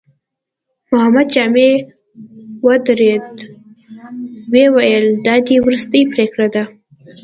محمد جامي ودرېد، ويې ويل: دا دې وروستۍ پرېکړه ده؟